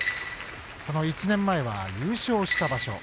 その１年前は優勝した場所。